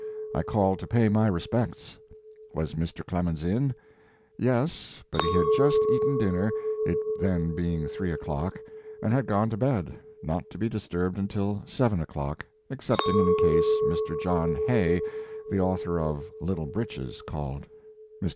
I called to pay my respects. Was Mr. Clemens in ? Yes, but he had just eaten dinner, it then being three o clock, and had gone to bed, not to be disturbed until seven o clock, excepting in case Mr. John Hay, the author of "Little Breeches/ 1 called. Mr.